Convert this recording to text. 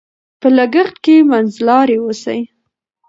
په لګښت کې منځلاري اوسئ.